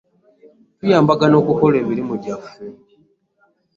Tuyambagana okukola emirimu gyaffe.